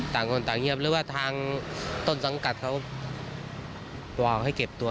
ต่างคนต่างเงียบหรือว่าทางต้นสังกัดเขาวอลให้เก็บตัว